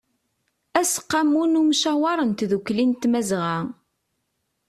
aseqqamu n ymcawer n tdukli n tmazɣa